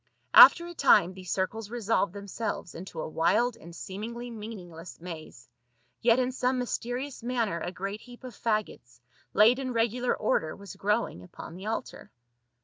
After a time these circles resolved them selves into a wild and seemingly meaningless maze, yet in some mysterious manner a great heap of faggots, laid in regular order, was growing upon the altar.